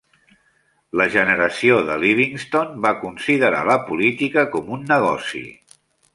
La generació de Livingston va considerar la política com un negoci.